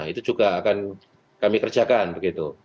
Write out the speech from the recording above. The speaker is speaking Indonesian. itu juga akan kami kerjakan begitu